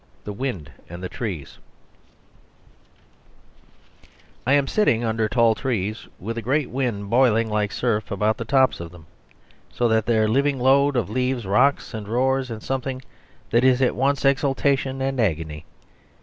The Wind and the Trees I am sitting under tall trees, with a great wind boiling like surf about the tops of them, so that their living load of leaves rocks and roars in something that is at once exultation and agony.